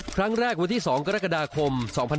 ครั้งแรกวันที่๒กรกฎาคม๒๕๖๓